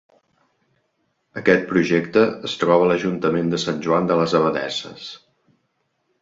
Aquest projecte es troba a l'Ajuntament de Sant Joan de les Abadesses.